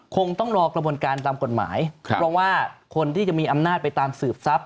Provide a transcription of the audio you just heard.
คงต้องรอกระบวนการตามกฎหมายเพราะว่าคนที่จะมีอำนาจไปตามสืบทรัพย